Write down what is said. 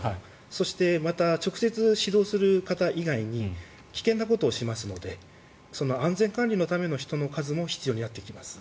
そして、また直接指導する方以外に危険なことをしますので安全管理のための人の数も必要になってきます。